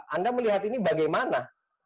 anda melihat ini bagaimana